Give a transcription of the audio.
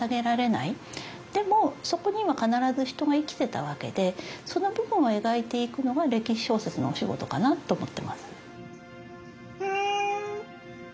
でもそこには必ず人が生きてたわけでその部分を描いていくのが歴史小説のお仕事かなと思ってます。